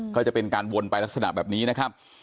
ก็จะเป็นการวนไปลักษณะแบบนี้นะครับ